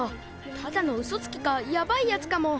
ただのウソつきかやばいやつかも。